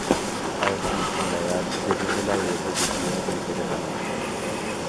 Además, con la edad, desciende la agudeza auditiva de los seres humanos.